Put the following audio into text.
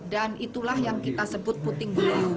dan itulah yang kita sebut puting buliub